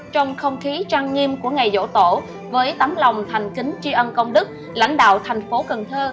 trong không khí trăng nghiêm của ngày dỗ tổ với tấm lòng thành kính tri ân công đức lãnh đạo thành phố cần thơ